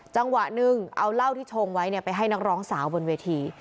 จังหวะนึงเอาเหล้าที่ชงไว้ไปให้นักร้องสาวบนเวที